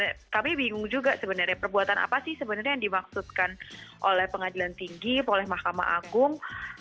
ya kami bingung juga sebenarnya perbuatan apa sih sebenarnya yang dimaksudkan oleh pengadilan tinggi oleh mahkamah agung